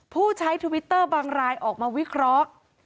ผู้ใช้ทวิตเตอร์บางรายออกมาวิเคราะห์